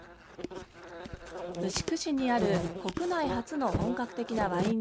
牛久市にある国内初の本格的なワイン